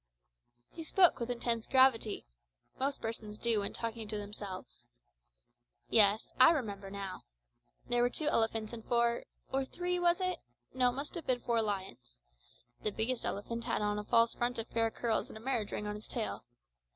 He spoke with intense gravity. Most persons do when talking to themselves. "Yes, I remember now. There were two elephants and four or three, was it? no, it must have been four lions. The biggest elephant had on a false front of fair curls and a marriage ring on its tail.